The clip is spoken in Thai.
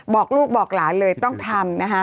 บอกลูกบอกหลานเลยต้องทำนะคะ